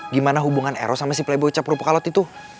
gimana hubungan eros sama si plebo capru pekalot itu